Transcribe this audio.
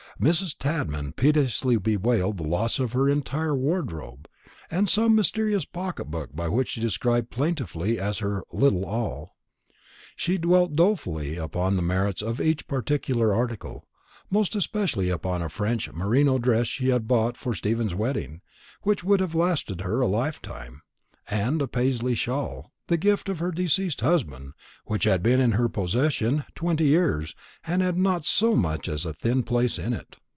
Mrs. Tadman piteously bewailed the loss of her entire wardrobe, and some mysterious pocket book which she described plaintively as her "little all." She dwelt dolefully upon the merits of each particular article, most especially upon a French merino dress she had bought for Stephen's wedding, which would have lasted her a lifetime, and a Paisley shawl, the gift of her deceased husband, which had been in her possession twenty years, and had not so much as a thin place in it.